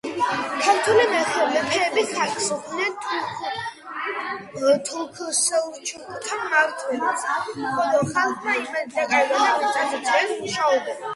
ქართველი მეფეები ხარკს უხდიდნენ თურქ-სელჩუკთა მმართველს, ხოლო ხალხმა იმედი დაკარგა და მიწაზეც ვერ მუშაობდა.